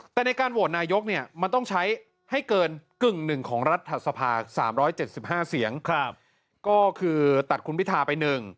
แต่ในการโหวตนายกเนี่ยมันต้องใช้ให้เกินกึ่งหนึ่งของรัฐสภา๓๗๕เสียงก็คือตัดคุณพิทาไป๑